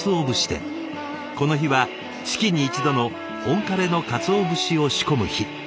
この日は月に１度の「本枯れの鰹節」を仕込む日。